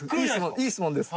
いい質問です。